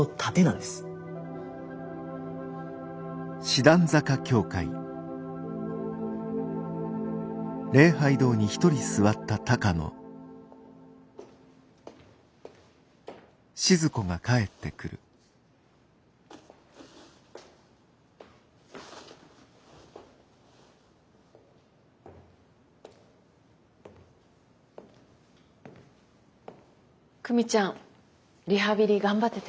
久美ちゃんリハビリ頑張ってたよ。